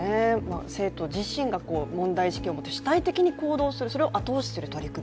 生徒自身が問題意識を持って主体的に行動するそれを後押しする取り組み。